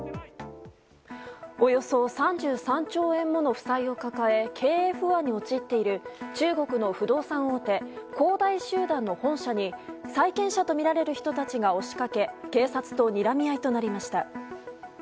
およそ３３兆円もの負債を抱え経営不安に陥っている中国の不動産大手恒大集団の本社に債権者とみられる人たちが押しかけ警察とにらみ合いとなりました。